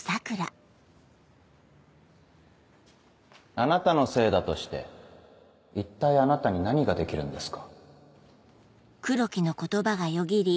あなたのせいだとして一体あなたに何ができるんですか？